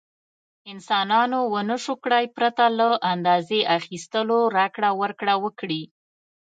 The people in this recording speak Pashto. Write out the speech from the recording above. انسانانو ونشو کړای پرته له اندازې اخیستلو راکړه ورکړه وکړي.